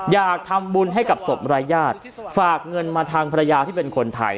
อยากทำบุญให้กับศพรายญาติฝากเงินมาทางภรรยาที่เป็นคนไทย